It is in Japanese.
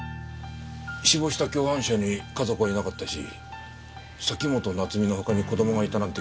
死亡した共犯者に家族はいなかったし崎本菜津美の他に子供がいたなんて